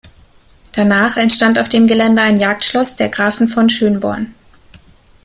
Danach entstand auf dem Gelände ein Jagdschloss der Grafen von Schönborn.